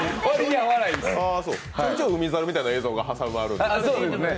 ちょいちょい「海猿」みたいな映像が挟まる？